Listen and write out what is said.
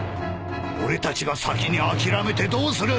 俺たちが先に諦めてどうする！